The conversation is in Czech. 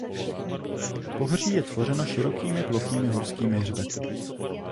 Pohoří je tvořeno širokými plochými horskými hřbety.